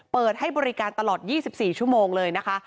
เปิดให้บริการตลอด๒๔ชั่วโมงเลยนะคะ